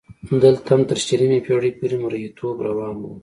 دلته هم تر شلمې پېړۍ پورې مریتوب روان و.